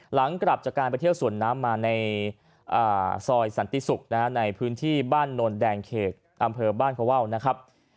หลังกลับจากการไปเที่ยวสวนน้ำมาในซอยสันติศุกร์ในพื้นที่บ้านโนนแดงเขตอำเภอบ้านเขาว่าวนะครับ